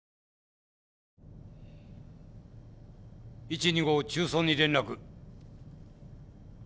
１・２号中操に連絡。